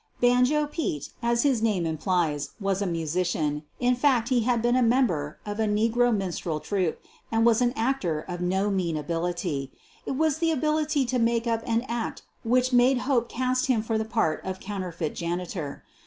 Banjo Pete," as his name implies, was a musician, in fact had been a member of a negro minstrel troupe, and was an actor of no mean ability. It was the ability to make up and act which made Hope cast him for the part of counterfeit janitor.